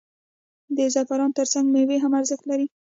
د زعفرانو ترڅنګ میوې هم ارزښت لري.